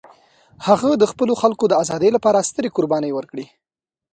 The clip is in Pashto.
هغه د خپل خلکو د ازادۍ لپاره سترې قربانۍ ورکړې.